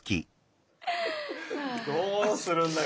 どうするんだよ！